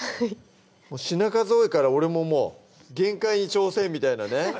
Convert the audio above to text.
品数多いから俺ももう限界に挑戦みたいなね